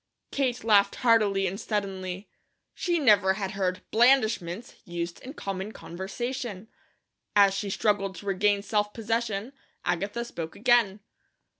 Kate laughed heartily and suddenly. She never had heard "blandishments" used in common conversation. As she struggled to regain self possession Agatha spoke again.